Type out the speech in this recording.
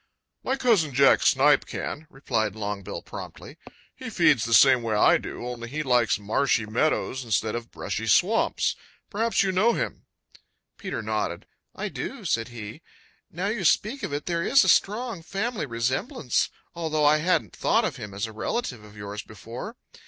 "My cousin, Jack Snipe, can," replied Longbill promptly. "He feeds the same way I do, only he likes marshy meadows instead of brushy swamps. Perhaps you know him." Peter nodded. "I do," said he. "Now you speak of it, there is a strong family resemblance, although I hadn't thought of him as a relative of yours before.